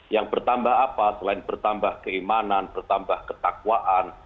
yang bertambah apa selain bertambah keimanan bertambah ketakwaan